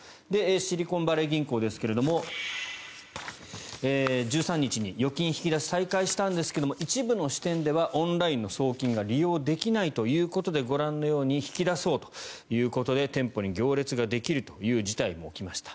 シリコンバレー銀行ですが１３日に預金引き出しを再開したんですが一部の支店ではオンラインの送金が利用できないというところでご覧のように引き出そうということで店舗に行列ができるという事態も起きました。